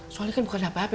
soalnya kan bukan apa apa